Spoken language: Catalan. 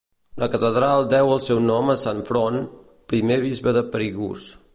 La catedral deu el seu nom a Sant Front, primer bisbe de Perigús.